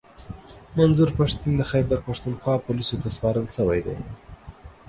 منظور پښتین د خیبرپښتونخوا پوليسو ته سپارل شوی دی